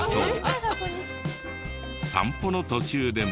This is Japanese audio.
散歩の途中でも。